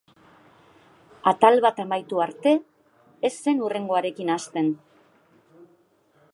Atal bat amaitu arte ez zen hurrengoarekin hasten.